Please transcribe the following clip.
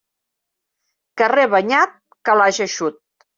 Carrer banyat, calaix eixut.